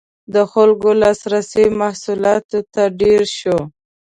• د خلکو لاسرسی محصولاتو ته ډېر شو.